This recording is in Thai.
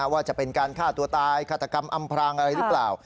ว่าจะเป็นการฆ่าตัวตายฆาตกรรมอำพรางอะไรหรือเปล่า